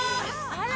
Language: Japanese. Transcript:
あら！